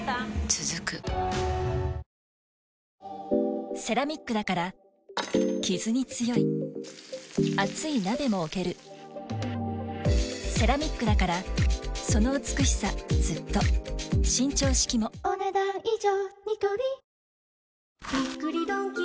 続くセラミックだからキズに強い熱い鍋も置けるセラミックだからその美しさずっと伸長式もお、ねだん以上。